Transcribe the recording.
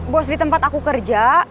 bos di tempat aku kerja